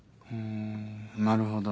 んなるほど。